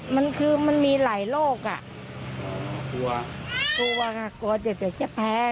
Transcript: มันคือมันมีหลายโรคฝันใหญ่กว่าเด็กจะแพ้